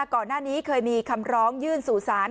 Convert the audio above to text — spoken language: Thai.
ก่อนหน้านี้เคยมีคำร้องยื่นสู่ศาล